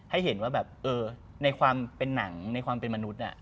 ให้เห็นว่าแบบเออในความเป็นหนังในความเป็นมนุษย์